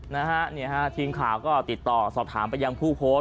นะฮะเนี่ยฮะทีมข่าวก็ติดต่อสอบถามไปยังผู้โพสต์